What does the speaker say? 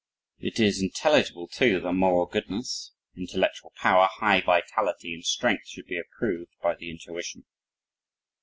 It is intelligible too that moral goodness, intellectual power, high vitality, and strength should be approved by the intuition."